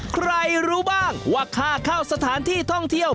ใครรู้บ้างว่าค่าเข้าสถานที่ท่องเที่ยว